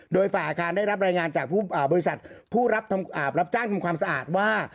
โดยฝ่ายอาคารได้รับรายงานจากบริษัทผู้รับจ้างทำความสะอาดว่า